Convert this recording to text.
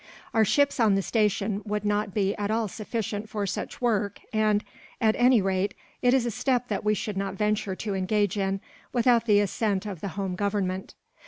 Our ships on the station would not be at all sufficient for such work and, at any rate, it is a step that we should not venture to engage in, without the assent of the home government.